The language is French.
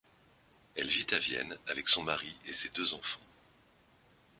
Elle vit à Vienne avec son mari et ses deux enfants.